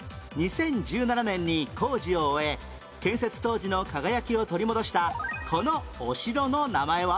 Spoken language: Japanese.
２０１７年に工事を終え建設当時の輝きを取り戻したこのお城の名前は？